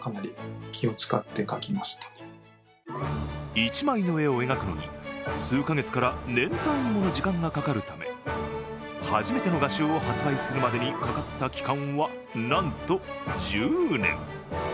１枚の絵を描くのに数か月から年単位もの時間がかかるため、初めての画集を発売するまでにかかった期間はなんど１０年。